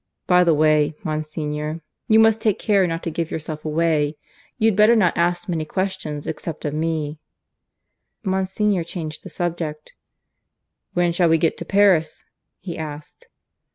... By the way, Monsignor, you must take care not to give yourself away. You'd better not ask many questions except of me." Monsignor changed the subject. "When shall we get to Paris?" he asked.